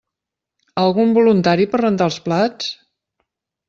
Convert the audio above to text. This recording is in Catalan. Algun voluntari per rentar els plats?